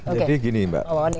jadi gini mbak